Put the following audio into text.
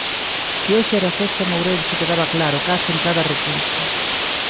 Que hoxe era festa en Ourense quedaba claro case en cada recuncho.